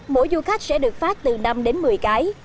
mỗi du khách sẽ được phát từ năm đến một mươi cái